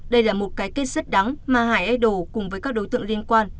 đây là một cái kết rất đắng mà hải idol cùng với các đối tượng liên quan